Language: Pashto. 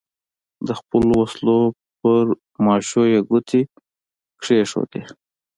د خپلو وسلو پر ماشو یې ګوتې کېښودې.